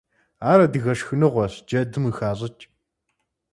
Ар адыгэ шхыныгъуэщ, джэдым къыхащӏыкӏ.